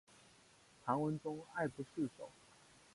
唐文宗爱不释手。